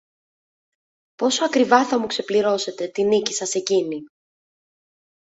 Πόσο ακριβά θα μου ξεπληρώσετε τη νίκη σας εκείνη!